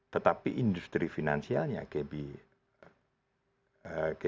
tetapi industri finansialnya kb kukmin bank ini